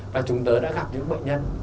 và chúng ta đã gặp những bệnh nhân